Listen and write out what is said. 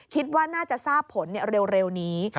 คิดว่าน่าจะทราบผลเร็วนี้